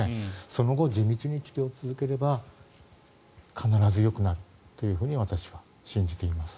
その後、地道に治療を続ければかならずよくなると私は信じています。